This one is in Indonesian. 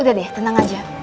udah deh tenang aja